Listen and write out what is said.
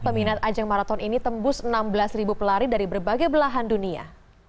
peminat ajang marathon ini tembus enam belas pelari dari berbagai belahan dunia